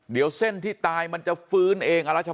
เดี๋ยวเส้นที่ตายมันจะฟื้นเองอรัชพ